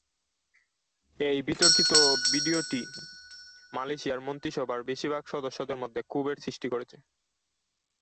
এই বিতর্কিত ভিডিওটি মালয়েশিয়ার মন্ত্রিসভার বেশিরভাগ সদস্যদের মধ্যে ক্ষোভের সৃষ্টি করেছে।